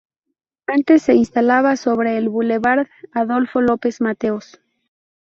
Antes se instalaba sobre el Boulevard Adolfo López Mateos.